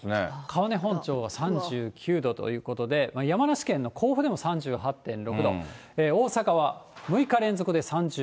川根本町が３９度ということで、山梨県の甲府でも３８．６度、名古屋３７度。